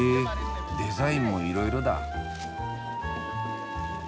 デザインもいろいろだ。